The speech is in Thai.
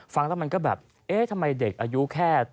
ฟังแล้วมันก็แบบเอ๊ะทำไมเด็กอายุแค่